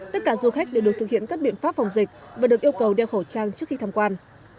tất cả du khách đều được thực hiện các biện pháp phòng dịch và được yêu cầu đeo khẩu trang trước khi tham quan